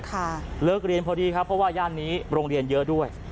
เลิกเรียนพอดีครับเพราะว่าย่านนี้โรงเรียนเยอะด้วย